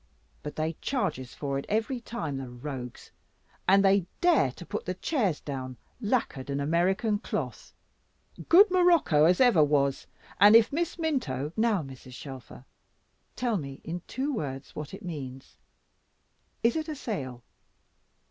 But they charges for it, every time, the rogues and they dare to put the chairs down lackered and American cloth, good, morocco as ever was, and as if Miss Minto " "Now, Mrs. Shelfer, tell me in two words what it means. Is it a sale?"